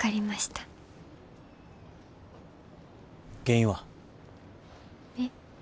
原因は？え？